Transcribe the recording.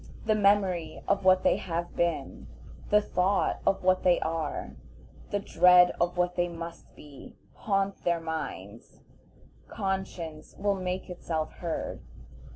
The memory of what they have been, the thought of what they are, the dread of what they must be, haunt their minds; conscience will make itself heard.